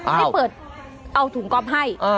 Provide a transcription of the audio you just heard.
ไม่เปิดเอาถุงกอล์ฟให้